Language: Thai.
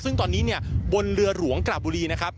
ซึ่งตอนนี้เนี่ยบนเรือหลวงกระบุรีนะครับ